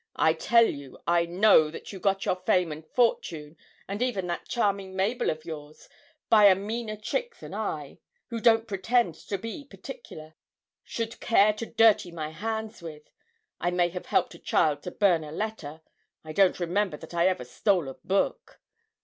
'I tell you I know that you got your fame and fortune, and even that charming Mabel of yours, by a meaner trick than I, who don't pretend to be particular, should care to dirty my hands with. I may have helped a child to burn a letter I don't remember that I ever stole a book.